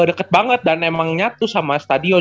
deket banget dan emangnya tuh sama stadion